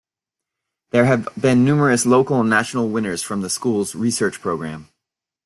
There have been numerous local and national winners from the school's research program.